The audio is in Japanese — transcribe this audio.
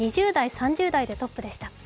２０代、３０代でトップでした。